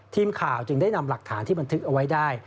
ทีมข่าวจึงได้นำหลักฐานที่บันทึกเอาไว้ได้